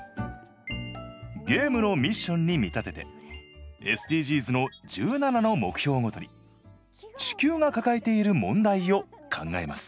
ゲームのミッションに見立ててＳＤＧｓの１７の目標ごとに地球が抱えている問題を考えます。